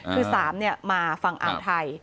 คือ๓มาฝั่งอ่าวไทย